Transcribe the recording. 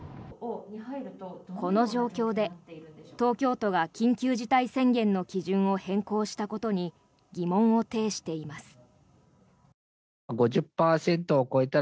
この状況で東京都が緊急事態宣言の基準を変更したことに疑問を呈しています。